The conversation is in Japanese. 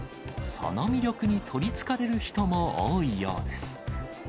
その魅力に取りつかれる人も多いようです。